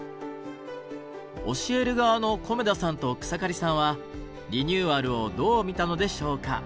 教える側の米田さんと草刈さんはリニューアルをどう見たのでしょうか？